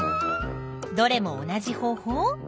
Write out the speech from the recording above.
どれも同じ方法？